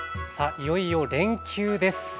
いよいよ連休です。